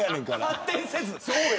発展せず。